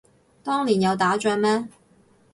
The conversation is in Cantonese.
當年有打仗咩